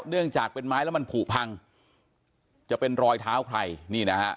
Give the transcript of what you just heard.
เนื่องจากเป็นไม้แล้วมันผูกพังจะเป็นรอยเท้าใครนี่นะฮะ